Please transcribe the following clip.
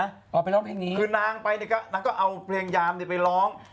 ออกไปร้องเพลงนี้คือนางไปเนี่ยก็นางก็เอาเพลงยามเนี่ยไปร้อง